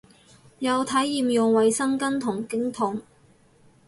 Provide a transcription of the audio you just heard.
有體驗用衛生巾同經痛